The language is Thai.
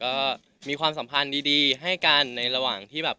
ก็มีความสัมพันธ์ดีให้กันในระหว่างที่แบบ